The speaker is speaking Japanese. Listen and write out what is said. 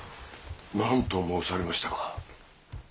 何と申されましたか？